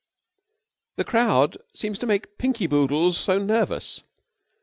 "The crowd seems to make Pinky Boodles so nervous."